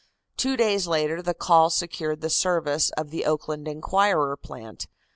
Two days later the Call secured the service of the Oakland Enquirer plant.